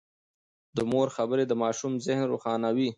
د مور خبرې د ماشوم ذهن روښانوي.